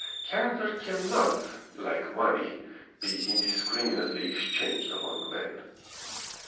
Character cannot, like money, be indiscriminately exchanged among men.